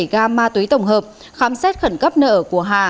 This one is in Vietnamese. ba bảy mươi bảy gam ma túy tổng hợp khám xét khẩn cấp nợ của hà